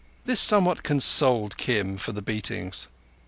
This somewhat consoled Kim for the beatings.